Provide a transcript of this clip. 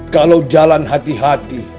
kalau jalan hati hati